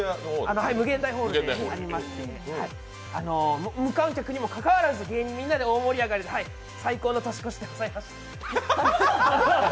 ∞ホールでありまして、無観客にもかかわらず芸人みんなで大盛り上がりで、最高の年越しでした。